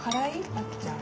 あっちゃん。